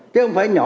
chứ không phải nhỏ